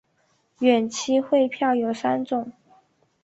远期汇票有三种。